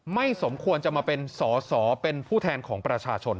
สมควรจะมาเป็นสอสอเป็นผู้แทนของประชาชน